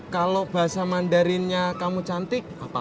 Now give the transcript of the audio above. kalau bahasa mandarinnya kamu cantik apa